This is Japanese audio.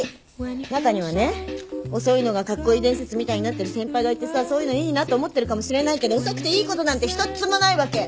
中にはね遅いのがカッコイイ伝説みたいになってる先輩がいてさそういうのいいなと思ってるかもしれないけど遅くていいことなんて一つもないわけ。